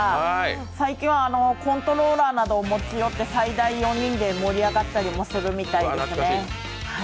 最近はコントローラーなどを持ち寄って最大４人で盛り上がったりもするみたいですね。